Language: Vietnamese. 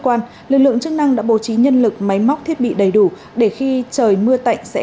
quan lực lượng chức năng đã bố trí nhân lực máy móc thiết bị đầy đủ để khi trời mưa tạnh sẽ